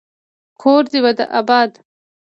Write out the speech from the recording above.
کور دي اباد